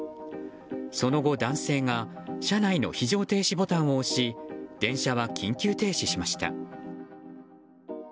その後、男性が車内の非常停止ボタンを押し電車は緊急停止しました。